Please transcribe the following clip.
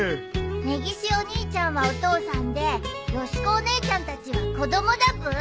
根岸お兄ちゃんはお父さんでよし子お姉ちゃんたちは子供だブー。